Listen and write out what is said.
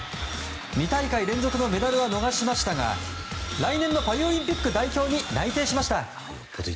２大会連続のメダルは逃しましたが来年のパリオリンピック代表に内定しました。